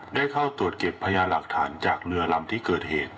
ได้เข้าตรวจเก็บพยาหลักฐานจากเรือลำที่เกิดเหตุ